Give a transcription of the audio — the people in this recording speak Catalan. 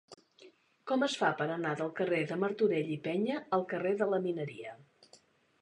Com es fa per anar del carrer de Martorell i Peña al carrer de la Mineria?